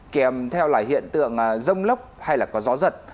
kèm theo hiện tượng rông lốc hay có gió giật